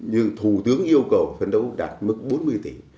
nhưng thủ tướng yêu cầu phấn đấu đạt mức bốn mươi tỷ